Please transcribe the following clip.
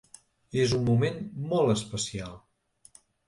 És un moment molt especial.